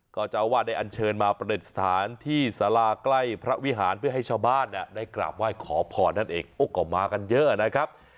ก็เจ้าวาดได้อันเชิญมาประดิษฐานที่สาราใกล้พระวิหารเพื่อให้ชาวบ้านได้กราบไหว้ขอพรนั่นเองโอ้ก็มากันเยอะนะครับ